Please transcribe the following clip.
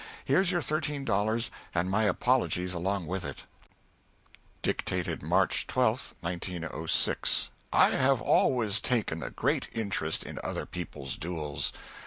Here's your thirteen dollars, and my apologies along with it." [Dictated March 12, 1906.] I have always taken a great interest in other people's duels.